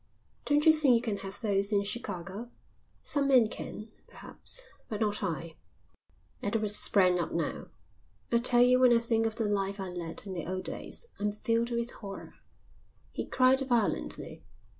"Don't you think you can have those in Chicago?" "Some men can, perhaps, but not I." Edward sprang up now. "I tell you when I think of the life I led in the old days I am filled with horror," he cried violently.